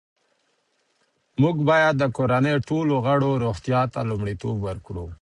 موږ باید د کورنۍ ټولو غړو روغتیا ته لومړیتوب ورکړو